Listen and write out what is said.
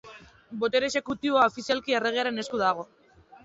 Botere exekutiboa, ofizialki, Erregearen esku dago.